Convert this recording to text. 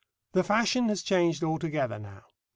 The fashion has changed altogether now.